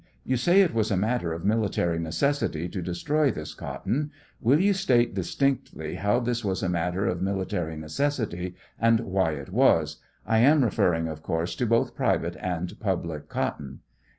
You say it was a matter of military necessity to destroy this cotton ; will you state distinctly how this was & matter of military necessity, and why it was; I am referring, of course, to both private and public cotton